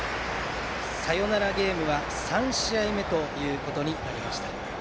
サヨナラゲームは３試合目となりました。